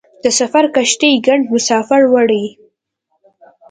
د سفر کښتۍ ګڼ مسافر وړي.